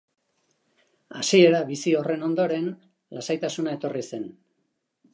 Hasiera bizi horren ondoren lasaitasuna etorri zen.